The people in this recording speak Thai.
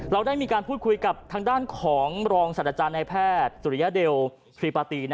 เราได้มีการพูดคุยกับทางด้านของรองสัตว์อาจารย์ในแพทย์สุริยเดลทรีปาตี